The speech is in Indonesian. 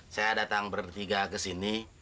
saya datang bertiga kesini